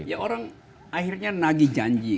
ya orang akhirnya nagih janji